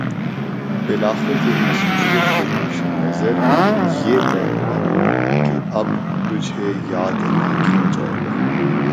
بالآخر تیری مصروفیت کے پیش نظریہ تہہ ہوا کے اب تجھے یاد نہ کیا جائے